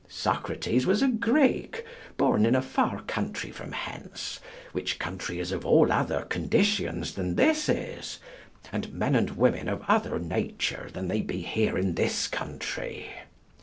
Socrates was a Greek, born in a far country from hence, which country is all of other conditions than this is, and men and women of other nature than they be here in this country.